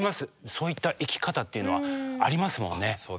そういった生き方っていうのはありますもんね。